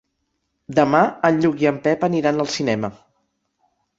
Demà en Lluc i en Pep aniran al cinema.